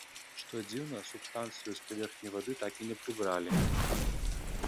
Што дзіўна, субстанцыю з паверхні вады так і не прыбралі.